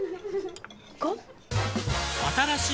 ５？